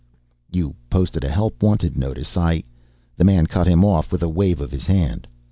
"You posted a help wanted notice, I " The man cut him off with a wave of his hand.